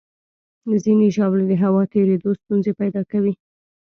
ځینې ژاولې د هوا تېرېدو ستونزې پیدا کوي.